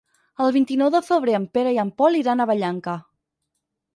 El vint-i-nou de febrer en Pere i en Pol iran a Vallanca.